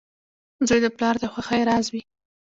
• زوی د پلار د خوښۍ راز وي.